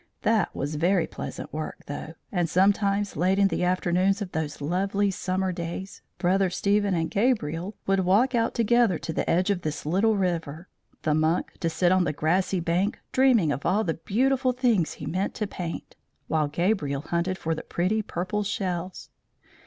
That was very pleasant work, though, and sometimes, late in the afternoons of those lovely summer days, Brother Stephen and Gabriel would walk out together to the edge of this little river; the monk to sit on the grassy bank dreaming of all the beautiful things he meant to paint, while Gabriel hunted for the pretty purple shells.